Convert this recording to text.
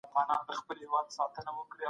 تعلیمي پروژې باید په کلیو کي پیل سي.